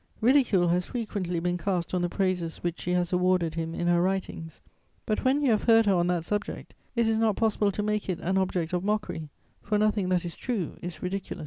Ridicule has frequently been cast on the praises which she has awarded him in her writings; but, when you have heard her on that subject, it is not possible to make it an object of mockery, for nothing that is true is ridiculous."